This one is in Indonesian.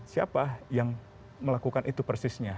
siapa yang melakukan itu persisnya